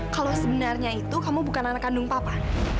kalau sebenarnya itu kamu bukan anak kandung papa